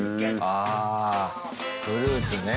ああフルーツね。